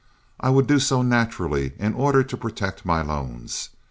I would do so naturally in order to protect my loans.